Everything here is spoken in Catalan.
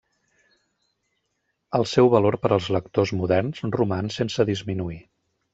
El seu valor per als lectors moderns roman sense disminuir.